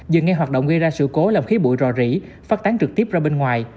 dừng ngay hoạt động gây ra sự cố làm khí bụi rò rỉ phát tán trực tiếp ra bên ngoài